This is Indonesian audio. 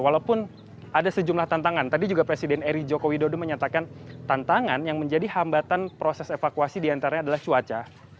walaupun ada sejumlah tantangan tadi juga presiden eri joko widodo menyatakan tantangan yang menjadi hambatan proses evakuasi diantaranya adalah cuaca